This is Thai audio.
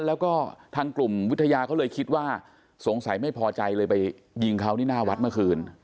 แล้วก็ทางกลุ่มวิทยาเขาเลยคิดว่าสงสัยไม่พอใจเลยไปยิงเขาที่หน้าวัดเมื่อคืน